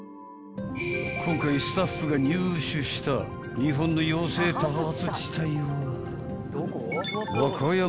［今回スタッフが入手した日本の妖精多発地帯は］